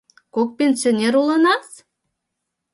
Кок пенсонер улынас.